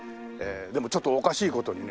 でもちょっとおかしい事にね